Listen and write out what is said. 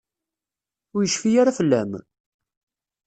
Ur yecfi ara fell-am?